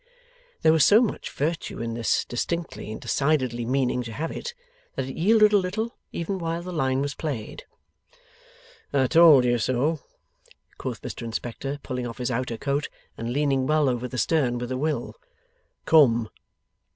There was so much virtue in this distinctly and decidedly meaning to have it, that it yielded a little, even while the line was played. 'I told you so,' quoth Mr Inspector, pulling off his outer coat, and leaning well over the stern with a will. 'Come!